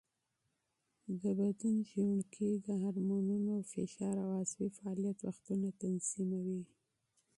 د بدن ژوڼکې د هارمونونو، فشار او عصبي فعالیت وختونه تنظیموي.